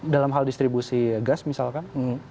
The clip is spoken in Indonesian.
dalam hal distribusi gas misalkan